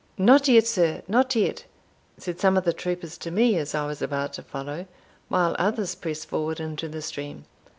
"Not yet, sir not yet," said some of the troopers to me, as I was about to follow, while others pressed forward into the stream.